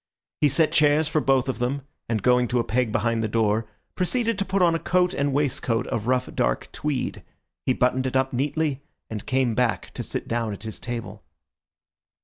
He set chairs for both of them, and going to a peg behind the door, proceeded to put on a coat and waistcoat of rough, dark tweed; he buttoned it up neatly, and came back to sit down at his table.